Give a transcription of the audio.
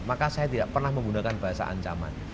maka saya tidak pernah menggunakan bahasa ancaman